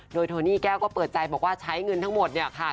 โดยโทนี่แก้วก็เปิดใจบอกว่าใช้เงินทั้งหมดเนี่ยค่ะ